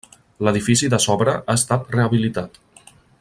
L'edifici de sobre ha estat rehabilitat.